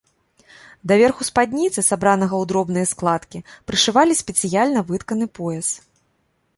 Да верху спадніцы, сабранага ў дробныя складкі, прышывалі спецыяльна вытканы пояс.